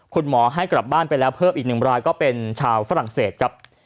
คุณหมอให้กลับบ้านไปแล้วเพิ่มอีก๑รายก็เป็นชาวฝรั่งเศสครับ